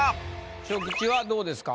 昇吉はどうですか？